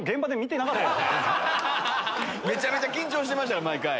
めちゃめちゃ緊張してました毎回。